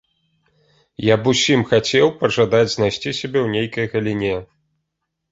Я б усім хацеў пажадаць знайсці сябе ў нейкай галіне.